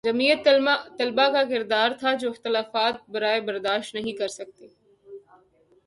جمعیت طلبہ کا کردار تھا جو اختلاف رائے برداشت نہیں کر سکتی